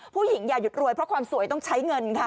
อย่าหยุดรวยเพราะความสวยต้องใช้เงินค่ะ